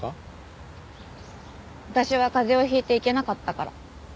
私は風邪をひいて行けなかったから。